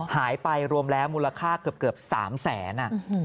หายไปรวมแล้วมูลค่าเกือบ๓๐๐๐๐๐บาท